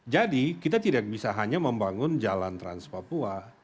jadi kita tidak bisa hanya membangun jalan trans papua